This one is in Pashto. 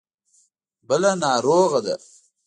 بله ناروغه ده.